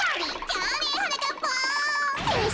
じゃあねはなかっぱん。